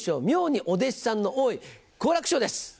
妙にお弟子さんの多い好楽師匠です。